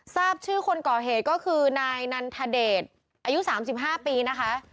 ทราบชื่อคนก่อเหตุก็คือนายนันทเดชอายุ๓๕ปีนะคะ